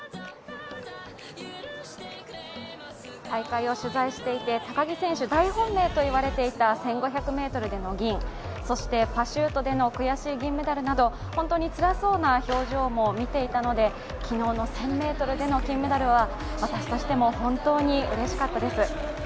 大会を取材していて高木選手、大本命と言われていた１５００ｍでの銀そしてパシュートでの悔しい銀メダルなど、本当につらそうな表情も見ていたので、昨日の１０００ｍでの金メダルは私としても本当にうれしかったです。